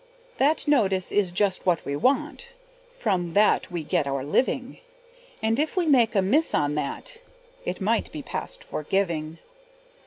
That notice is just what we want, From that we get our living; And if we make a miss on that, It might be past forgiving.